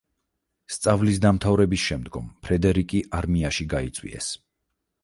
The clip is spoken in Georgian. სწავლის დამთავრების შემდგომ ფრედერიკი არმიაში გაიწვიეს.